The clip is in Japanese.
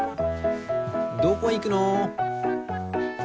どこいくの？